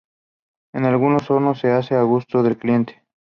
En algunos hornos se hace a gusto del cliente.